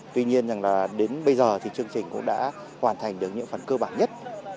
tuy nhiên đến bây giờ thì chương trình cũng đã hoàn thành được những phần cơ bản nhất